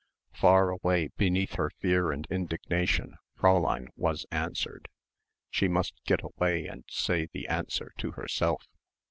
Far away beneath her fear and indignation, Fräulein was answered. She must get away and say the answer to herself.